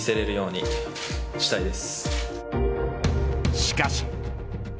しかし。